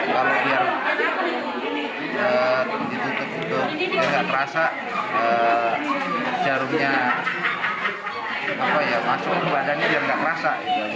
kalau biar tetap tutupi tidak terasa jarumnya masuk ke badannya tidak terasa